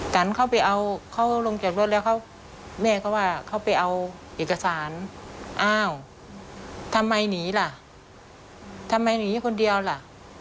ทำไมหนีล่ะทำไมหนีคนเดียวล่ะ